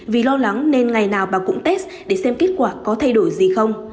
vì lo lắng nên ngày nào bà cũng test để xem kết quả có thay đổi gì không